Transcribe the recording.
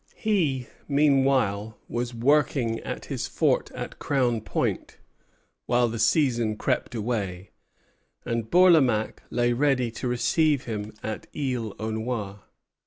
He, meanwhile, was working at his fort at Crown Point, while the season crept away, and Bourlamaque lay ready to receive him at Isle aux Noix.